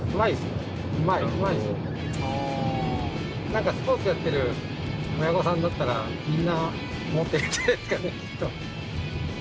何かスポーツやってる親御さんだったらみんな思ってるんじゃないですかね。